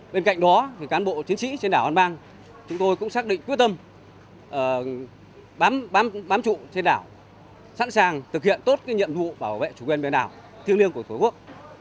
bên cạnh đó cán bộ chiến sĩ trên đảo an bang cũng xác định quyết tâm bám trụ trên đảo sẵn sàng thực hiện tốt nhiệm vụ bảo vệ chủ nguyên biển đảo thiêng liêng của thủ quốc